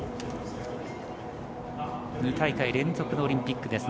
２大会連続のオリンピック。